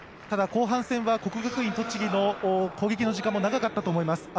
◆ただ後半戦は国学院栃木の攻撃の時間も長かったと思います。